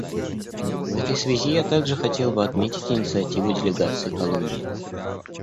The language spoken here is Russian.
В этой связи я также хотел бы отметить инициативу делегации Колумбии.